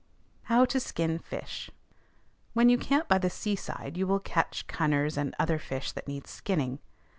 HOW TO SKIN FISH. When you camp by the seaside, you will catch cunners and other fish that need skinning.